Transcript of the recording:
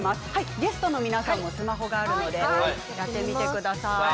ゲストの皆さんも、スマホがあるのでやってみてください。